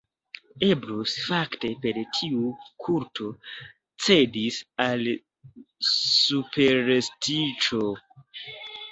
Eblus, fakte, per tiu kulto cedis al superstiĉo.